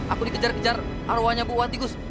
aku dikejar kejar arwahnya bu wanti gus